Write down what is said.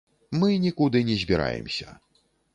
Мы нікуды не збіраемся.